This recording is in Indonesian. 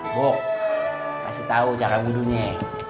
bok kasih tau cara wudhunya